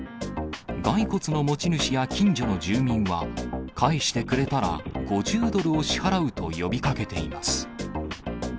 骸骨の持ち主や近所の住民は、返してくれたら、５０ドルを支払うと呼びかけています。